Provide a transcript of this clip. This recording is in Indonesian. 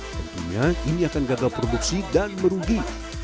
tentunya ini akan gagal produksi dan merugi